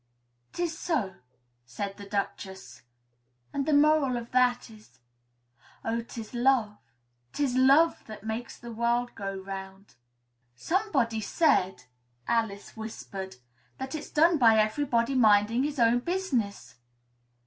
"'Tis so," said the Duchess; "and the moral of that is 'Oh, 'tis love, 'tis love that makes the world go 'round!'" "Somebody said," Alice whispered, "that it's done by everybody minding his own business!"